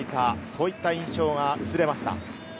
そういった印象が薄れました。